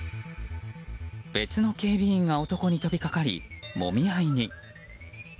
別の警備員が男に飛びかかりもみ合いに。